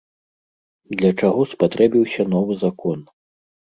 Для чаго спатрэбіўся новы закон?